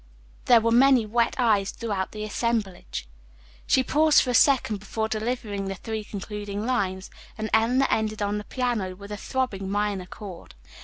there were many wet eyes throughout the assemblage. She paused for a second before delivering the three concluding lines, and Eleanor ended on the piano with a throbbing minor chord.